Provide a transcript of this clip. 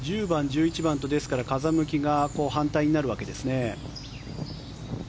１０番、１１番と風向きが反対になるわけですね。